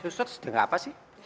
susah susah sedang apa sih